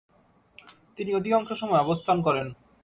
তিনি অধিকাংশ সময় অবস্থান করেন।